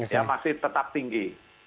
ya masih tetap tinggi